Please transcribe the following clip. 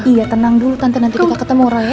iya tenang dulu tante nanti kita ketemu roy ya